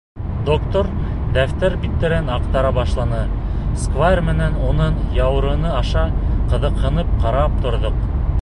Доктор дәфтәр биттәрен аҡтара башланы, сквайр менән уның яурыны аша ҡыҙыҡһынып ҡарап торҙоҡ.